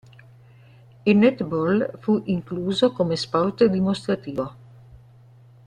Il netball fu incluso come sport dimostrativo.